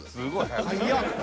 早っ。